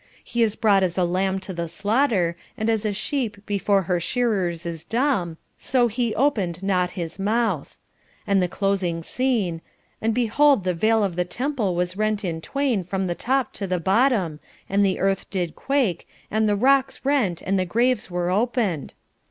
He is brought as a lamb to the slaughter, and as a sheep before her shearers is dumb, so he opened not his mouth,' and the closing scene: 'And behold the veil of the temple was rent in twain from the top to the bottom, and the earth did quake, and the rocks rent, and the graves were opened.'"